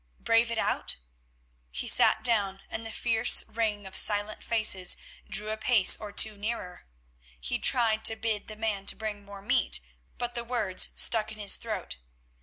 Brave it out? He sat down, and the fierce ring of silent faces drew a pace or two nearer. He tried to bid the man to bring more meat, but the words stuck in his throat.